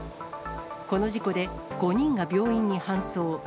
この事故で５人が病院に搬送。